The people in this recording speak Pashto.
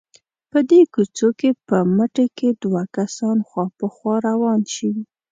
په دې کوڅو کې په مټې که دوه کسان خوا په خوا روان شي.